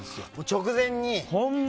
直前に。